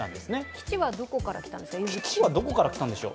「きち」はどこから来たんですか